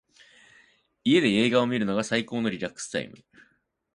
家で映画を観るのが最高のリラックスタイム。